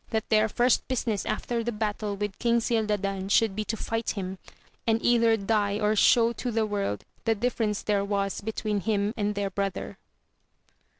tt their first business after the battle with King Cildadan should be to fight him, and either die or show to the world the difference there was between him and their brother.